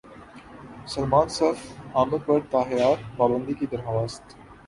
سلمان صف عامر پر تاحیات پابندی کی درخواست